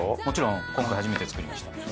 もちろん今回初めて作りました。